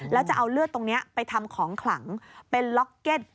แล้วจะเอาเลือดตรงนี้ไปทำของขลังเป็นล็อกเก็ต